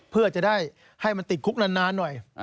เพื่อจะได้ให้มันติดคุกนานหน่อย